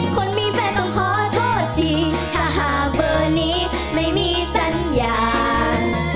คนมีแฟนต้องขอโทษทีถ้าหากเบอร์นี้ไม่มีสัญญาณ